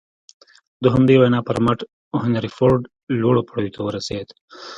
د همدې وينا پر مټ هنري فورډ لوړو پوړيو ته ورسېد.